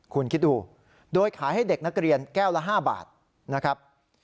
คุณคิดดูโดยขายให้เด็กนักเรียนแก้วละ๕บาทนะครับ